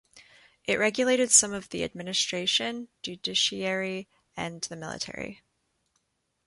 It regulated some of the administration, judiciary and the military.